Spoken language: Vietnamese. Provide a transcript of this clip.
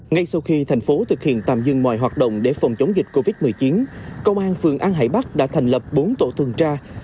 ngay sau khi thành phố thực hiện tạm dừng mọi hoạt động để phòng chống dịch covid một mươi chín công an phường an hải bắc đã thành lập bốn tổ tuần tra